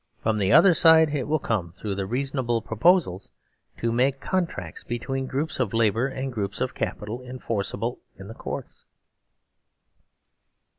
From the other side it will come through the reason able proposals to make contracts between groups of labour and groups of capital enforceablein the Courts.